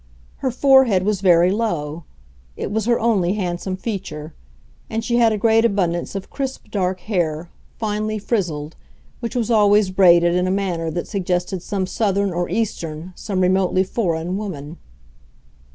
Her forehead was very low—it was her only handsome feature; and she had a great abundance of crisp dark hair, finely frizzled, which was always braided in a manner that suggested some Southern or Eastern, some remotely foreign, woman.